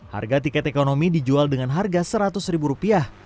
harga tiket ekonomi dijual dengan harga seratus ribu rupiah